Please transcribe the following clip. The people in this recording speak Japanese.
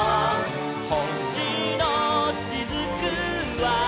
「ほしのしずくは」